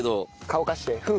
乾かして。